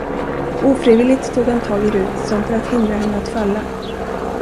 Ofrivilligt tog han tag i Rut som för att hindra henne att falla.